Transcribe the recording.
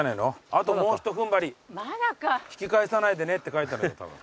「あともうひと踏ん張り引き返さないでね」って書いてあるんだよたぶん。